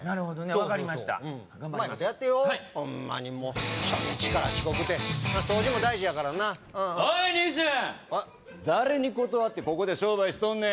頑張りますうまいことやってよホンマにもう初日から遅刻てまあ掃除も大事やからなおい兄ちゃん誰に断ってここで商売しとんねん？